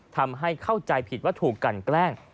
ทำให้เข้าใจผิดว่าถูกกันแกล้ง